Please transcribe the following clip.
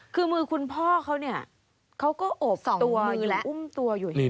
คือมือคุณพ่อเขาเนี่ยเขาก็โอบตัวมืออุ้มตัวอยู่